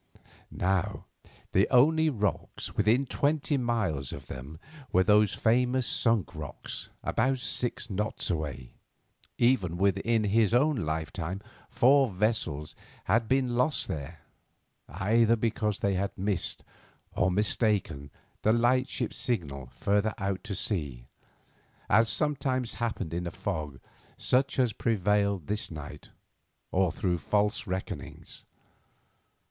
Now, the only rocks within twenty miles of them were these famous Sunk Rocks, about six knots away. Even within his own lifetime four vessels had been lost there, either because they had missed, or mistaken, the lightship signal further out to sea, as sometimes happened in a fog such as prevailed this night, or through false reckonings.